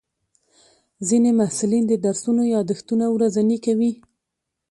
ځینې محصلین د درسونو یادښتونه ورځني کوي.